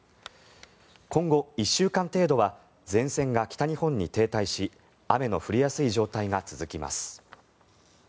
今後、１週間程度は前線が北日本に停滞し雨の降りやすい状態が続きます。